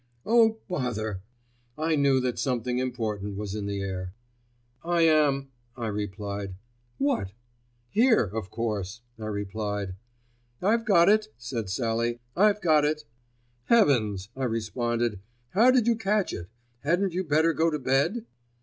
Oh, bother!" I knew that something important was in the air. "I am," I replied. "What?" "Here, of course," I replied. "I've got it," said Sallie; "I've got it." "Heavens!" I responded. "How did you catch it? Hadn't you better go to bed?"